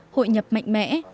hội nhập mạnh mẽ